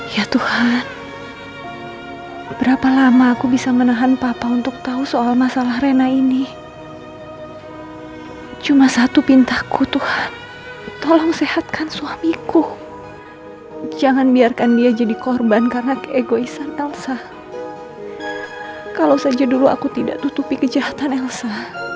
ya tuhan berapa lama aku bisa menahan papa untuk tahu soal masalah rena ini cuma satu pintaku tuhan tolong sehatkan suamiku jangan biarkan dia jadi korban karena keegoisan elsa kalau saja dulu aku tidak tutupi kejahatan elsa